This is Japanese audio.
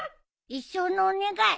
一生のお願い！